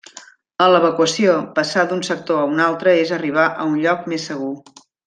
En l'evacuació, passar d'un sector a un altre, és arribar a un lloc més segur.